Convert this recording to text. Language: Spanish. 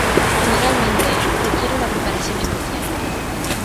Generalmente, requiere una preparación especial.